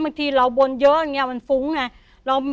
บางทีเราบนเยอะมันฟุ้งไง